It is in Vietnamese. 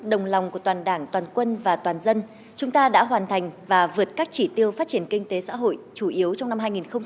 đồng lòng của toàn đảng toàn quân và toàn dân chúng ta đã hoàn thành và vượt các chỉ tiêu phát triển kinh tế xã hội chủ yếu trong năm hai nghìn hai mươi